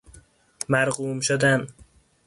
مرقوم شدن